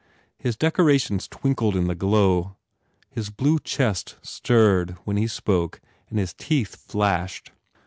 His decorations twinkled in the glow. His blue chest stirred when he spoke and his teeth flashed.